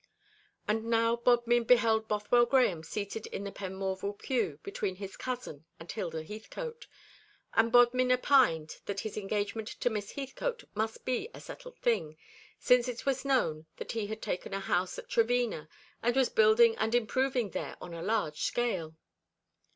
And now Bodmin beheld Bothwell Grahame seated in the Penmorval pew between his cousin and Hilda Heathcote, and Bodmin opined that his engagement to Miss Heathcote must be a settled thing, since it was known that he had taken a house at Trevena, and was building and improving there on a large scale.